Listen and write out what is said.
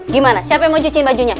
gimana siapa yang mau cuci bajunya